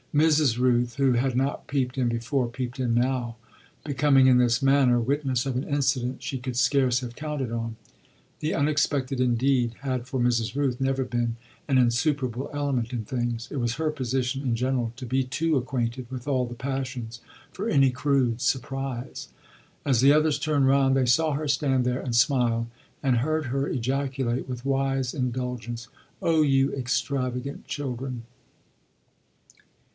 Mrs. Rooth, who had not peeped in before, peeped in now, becoming in this manner witness of an incident she could scarce have counted on. The unexpected indeed had for Mrs. Rooth never been an insuperable element in things; it was her position in general to be too acquainted with all the passions for any crude surprise. As the others turned round they saw her stand there and smile, and heard her ejaculate with wise indulgence: "Oh you extravagant children!"